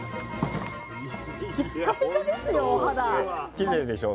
きれいでしょう？